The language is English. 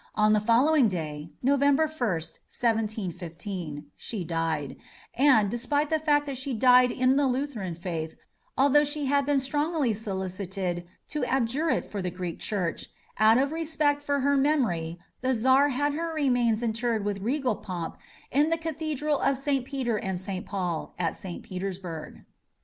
On the following day, November 1st, 1715, she died, and, despite the fact that she died in the Lutheran faith, although she had been strongly solicited to abjure it for the Greek Church, out of respect for her memory the Czar had her remains interred with regal pomp in the Cathedral Church of St. Peter and St. Paul at St. Petersburg.